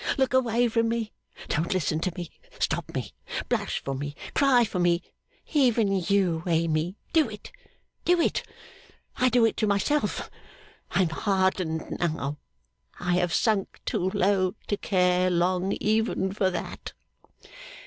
Look away from me, don't listen to me, stop me, blush for me, cry for me even you, Amy! Do it, do it! I do it to myself! I am hardened now, I have sunk too low to care long even for that.